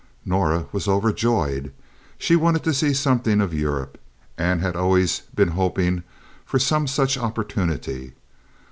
Norah was overjoyed. She wanted to see something of Europe, and had always been hoping for some such opportunity.